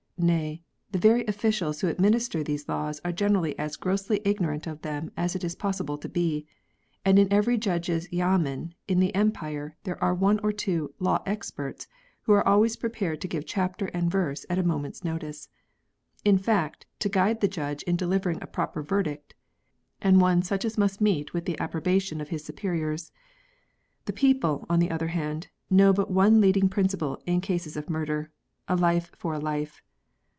Nay, the very ofl&cials'who administer these laws are generally as grossly ignorant of them as it is possible to be, and in every judge's yamen in the Empire there are one or two " law experts," who are always prepared to give chapter and verse at a moment's notice, — in fact, to guide the judge in delivering a proper verdict, and one such as must meet with the appro bation of his superiors. The people, on the other hand, know but one leading principle in cases of murder — a life for a life.